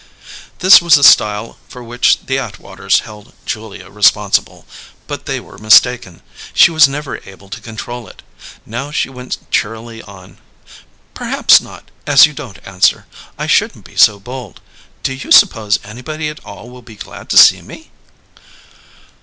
This was the style for which the Atwaters held Julia responsible; but they were mistaken: she was never able to control it. Now she went cheerily on: "Perhaps not, as you don't answer. I shouldn't be so bold! Do you suppose anybody at all will be glad to see me?"